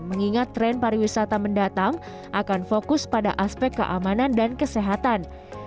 mengingat tren pariwisata mendatang akan fokus pada aspek keamanan dan kesehatan